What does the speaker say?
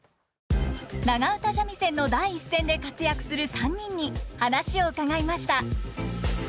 長唄三味線の第一線で活躍する３人に話を伺いました。